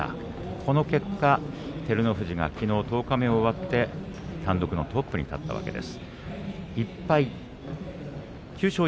この結果照ノ富士がきのう十日目を終わって単独のトップに立ったわけです。